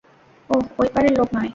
ও ওই পাড়ের লোক নয়।